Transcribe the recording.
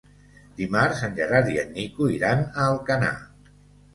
Dimarts en Gerard i en Nico iran a Alcanar.